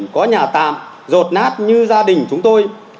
có nhà tạm rột nát như gia đình chúng tôi